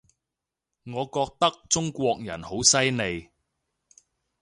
我覺得中國人好犀利